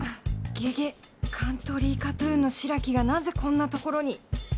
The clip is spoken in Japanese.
ゲゲッカントリーカートゥーンの白木がなぜこんなところに！？